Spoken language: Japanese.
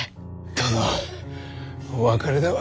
殿お別れだわ。